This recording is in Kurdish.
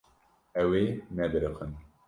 Ew ê nebiriqin.